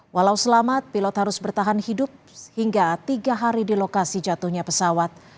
walau selamat pilot harus bertahan hidup hingga tiga hari di lokasi jatuhnya pesawat